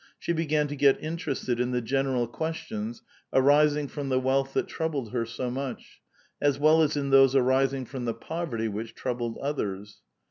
She began to get interested in the general questions arising from the wealth that troubled her so much, as well as in those arising from the poverty which troubled others.